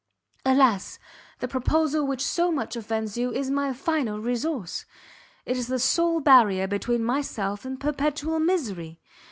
Alas! the proposal which so much offends you is my final resource! it is the sole barrier between myself and perpetual misery!